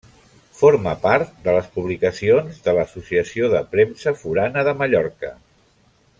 Forma part de les publicacions de l'Associació de Premsa Forana de Mallorca.